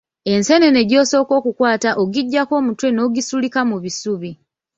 Enseenene gy'osooka okukwata ogiggyako omutwe n'ogisulika mu bisubi.